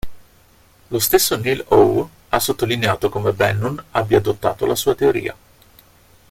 Lo stesso Neil Howe ha sottolineato come Bannon abbia adottato la sua teoria.